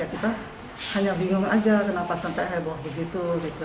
kita hanya bingung aja kenapa sampai heboh begitu